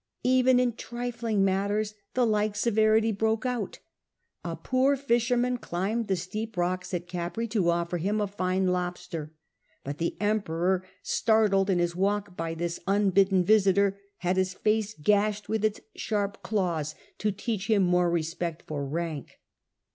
Even in trifling matters the like severity broke out. A poor fishermar, climbed the steep rocks at Capreae to offer him a fine lobster; but the Emperor, startled in his walk by his unbidden visitor, had his face gashed with its sharp claws to teach him more respect for rank.